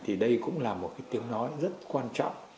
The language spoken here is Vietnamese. thì đây cũng là một cái tiếng nói rất quan trọng